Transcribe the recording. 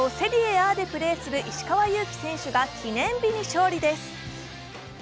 世界最高セリエＡでプレーする石川祐希選手が記念日に勝利です。